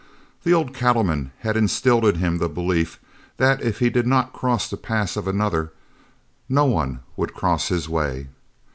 The old cattleman had instilled in him the belief that if he did not cross the path of another, no one would cross his way.